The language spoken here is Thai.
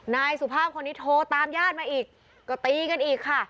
นายสุภาพคนนี้โทรตามญาติมาอีกก็ตีกันอีกค่ะ